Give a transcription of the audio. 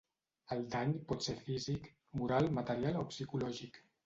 El dany pot ser físic, moral, material o psicològic.